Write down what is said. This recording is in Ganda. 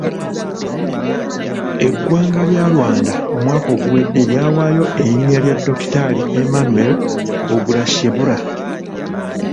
Eggwanga lya Rwanda omwaka oguwedde lyawaayo erinnya lya Dokitaali Emmanuel Ugirashebula.